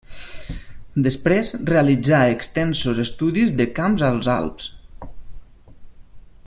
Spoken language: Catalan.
Després, realitzà extensos estudis de camps als Alps.